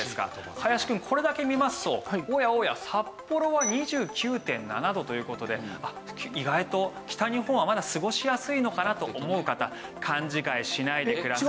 林くんこれだけ見ますとおやおや札幌は２９．７度という事で意外と北日本はまだ過ごしやすいのかなと思う方勘違いしないでください。